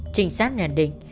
trinh sát nhận định